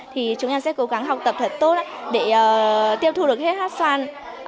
thì chúng em sẽ cố gắng học tập thật tốt để tiêu thụ được hết hét xoan